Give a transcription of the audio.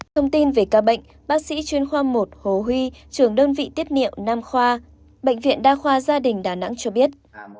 thông tin về ca bệnh bác sĩ chuyên khoa một hồ huy trưởng đơn vị tiết niệm nam khoa bệnh viện đa khoa gia đình đà nẵng cho biết